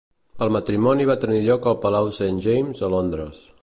El matrimoni va tenir lloc al palau Saint James, a Londres.